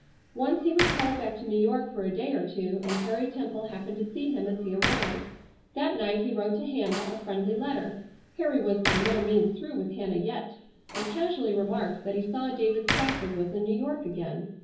Once he was called back to New York for a day or two, and Harry Temple happened to see him as he arrived. That night he wrote to Hannah a friendly letter—Harry was by no means through with Hannah yet—and casually remarked that he saw David Spafford was in New York again.